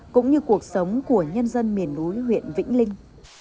cũng như cuộc sống của nhân dân miền núi huyện vĩnh linh